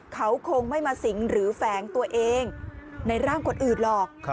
เขาคงไม่มาสิงหรือแฝงตัวเองในร่างคนอื่นหรอก